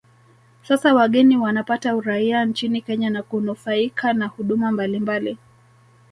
Sasa wageni wanapata uraia nchini Kenya na kunufaika na huduma mbalimbali